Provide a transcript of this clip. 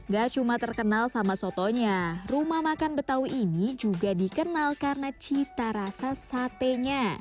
gak cuma terkenal sama sotonya rumah makan betawi ini juga dikenal karena cita rasa satenya